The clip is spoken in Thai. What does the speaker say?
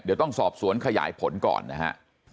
เดี๋ยวต้องสอบสวนขยายผลก่อนนะฮะ